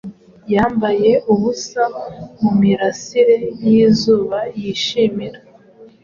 Yambaye ubusa mumirasire yizuba yishimira.